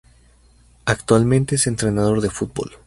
Actualmente es entrenador de fútbol.